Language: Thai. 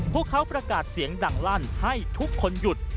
พวกเขาประกาศเสียงดังลั่นให้ทุกคนหยุด